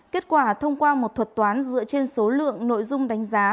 kết quả thông qua một thuật toán dựa trên số lượng nội dung đánh giá